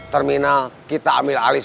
terminal kita ambil alis kalian